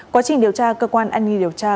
quá trình điều tra cơ quan an nghi điều tra